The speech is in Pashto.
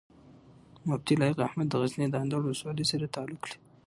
مفتي لائق احمد د غزني د اندړو ولسوالۍ سره تعلق لري